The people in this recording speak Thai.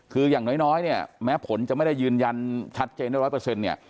คืออย่างน้อยเนี่ยแม้ผลจะไม่ได้ยืนยันชัดเจน๑๐๐เนี่ย